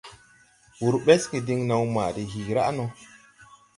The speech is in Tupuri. Wǔr ɓɛsge diŋ naw ma de hiiraʼ no.